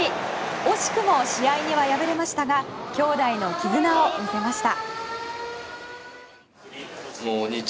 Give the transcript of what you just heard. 惜しくも試合には敗れましたが兄弟の絆を見せました。